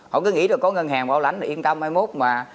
họ cứ nghĩ là có ngân hàng bảo lãnh yên tâm mai mốt mà